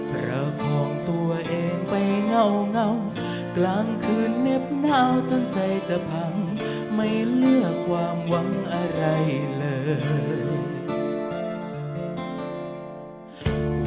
เพราะของตัวเองไปเงากลางคืนเน็บหนาวจนใจจะพังไม่เลือกความหวังอะไรเลย